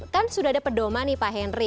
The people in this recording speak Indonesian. kan sudah ada pedoman nih pak henry